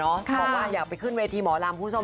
บอกว่าอยากไปขึ้นเวทีหมอลำคุณผู้ชม